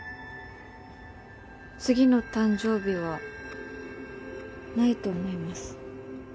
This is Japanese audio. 次の誕生日はないと思います。